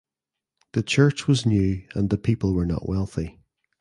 The church was new and the people were not wealthy.